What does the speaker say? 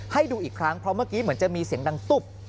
ให้ดูอีกครั้งเพราะเมื่อกี้เหมือนจะมีเสียงดังตุ๊บ